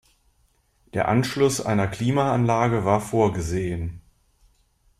Der Anschluss einer Klimaanlage war vorgesehen.